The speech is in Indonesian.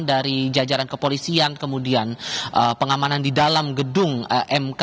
dari jajaran kepolisian kemudian pengamanan di dalam gedung mk